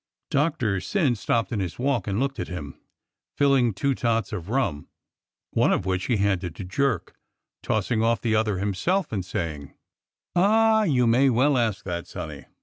Doctor Syn stopped in his walk and looked at him, filling two tots of rum, one of which he handed to Jerk, tossing off the other himself and saying : "Ah, you may well ask that, sonny.